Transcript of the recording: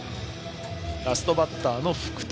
ラストバッターの福谷。